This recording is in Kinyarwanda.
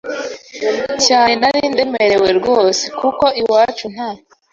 cyane nari ndemerewe rwose kuko iwacu nta